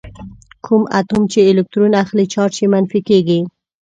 کوم اتوم چې الکترون اخلي چارج یې منفي کیږي.